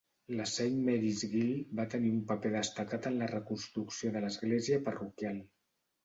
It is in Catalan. La Saint Mary's Guild va tenir un paper destacat en la reconstrucció de l'església parroquial.